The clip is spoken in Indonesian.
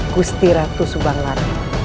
gusti ratu subanglar